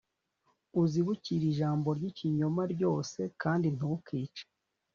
uzibukire ijambo ry ikinyoma ryose kandi ntukice